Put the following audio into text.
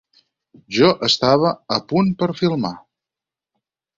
Jo estava 'a punt per filmar'.